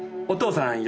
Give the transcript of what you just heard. お父さん！